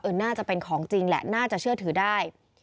น่าจะเป็นของจริงแหละน่าจะเชื่อถือได้